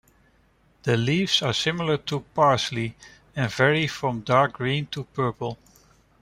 The leaves are similar to parsley, and vary from dark green to purple.